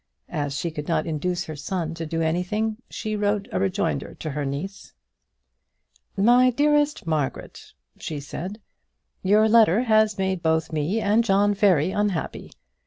As she could not induce her son to do anything, she wrote a rejoinder to her niece. "My dearest Margaret," she said, "Your letter has made both me and John very unhappy.